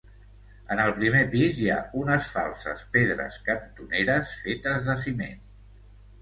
En el primer pis hi ha unes falses pedres cantoneres, fetes de ciment.